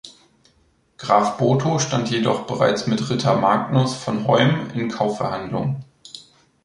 Graf Botho stand jedoch bereits mit Ritter Magnus von Hoym in Kaufverhandlungen.